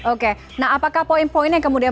oke nah apakah poin poin yang kemudian